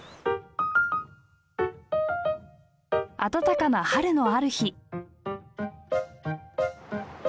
暖かな春のある日。